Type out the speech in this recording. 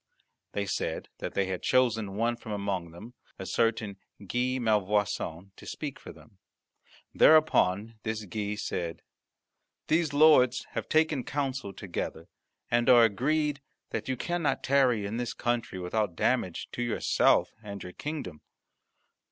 They said that they had chosen one from among them, a certain Guy Malvoisin, to speak for them. Thereupon this Guy said, "These lords have taken counsel together, and are agreed that you cannot tarry in this country without damage to yourself and your kingdom.